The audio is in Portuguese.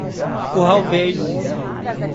Curral Velho